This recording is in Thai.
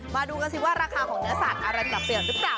มาดูกันสิว่าราคาของเนื้อสัตว์อะไรปรับเปลี่ยนหรือเปล่า